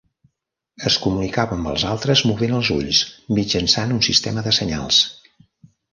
Es comunicava amb els altres movent els ulls, mitjançant un sistema de senyals.